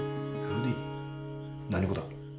何語だ？